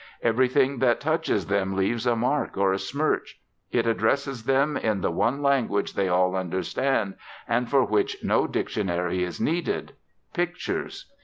Everything that touches them leaves a mark or a smirch. It addresses them in the one language they all understand, and for which no dictionary is needed pictures.